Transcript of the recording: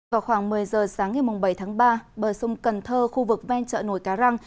vào khoảng một mươi giờ sáng ngày bảy tháng ba bờ sông cần thơ khu vực ven chợ nổi cá răng